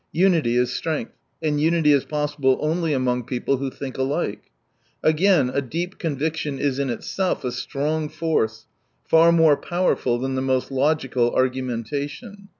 Unity is strength, and unity is possible only among people who think alike. Again, a deep conviction is in itself a strong force, far more powerful than the most logical argumentation.